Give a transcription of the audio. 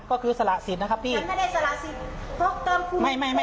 ก็คือสละสิทธิ์นะครับพี่ฉันไม่ได้สละสิทธิ์ไม่ไม่ไม่